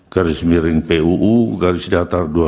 garis miring puu garis datar dua ribu dua puluh satu